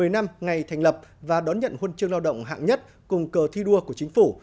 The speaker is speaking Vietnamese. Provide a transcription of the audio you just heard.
một mươi năm ngày thành lập và đón nhận huân chương lao động hạng nhất cùng cờ thi đua của chính phủ